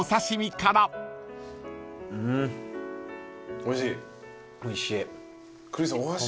おいしい。